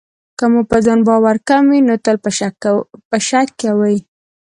که مو په ځان باور کم وي، نو تل به شک کوئ.